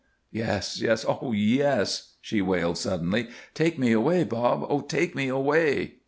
"Yes, yes! Oh yes!" she wailed, suddenly. "Take me away, Bob. Oh, take me away!"